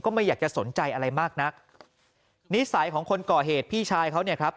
ไม่อยากจะสนใจอะไรมากนักนิสัยของคนก่อเหตุพี่ชายเขาเนี่ยครับ